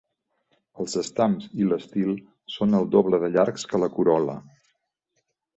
Els estams i l'estil són el doble de llargs que la corol·la.